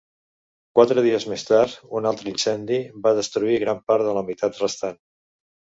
Quatre dies més tard, un altre incendi va destruir gran part de la meitat restant.